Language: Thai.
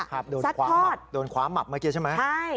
ซัดทอดใช่ไหมอ่ะโอเคฮะ